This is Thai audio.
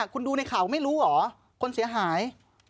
คุณดูในข่าวไม่รู้เหรอคนเสียหาย